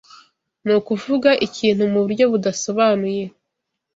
Ni ukuvuga ikintu mu buryo budasobanuye